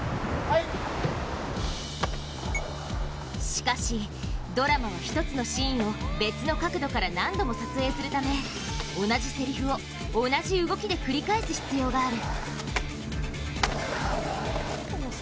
しかしドラマは、１つのシーンを別の角度から何度も撮影するため同じせりふを、同じ動きで繰り返す必要がある。